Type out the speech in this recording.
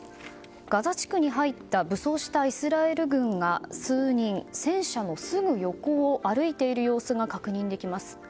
ガザ地区に入った武装したイスラエル軍が数人、戦車のすぐ横を歩いている様子が確認できます。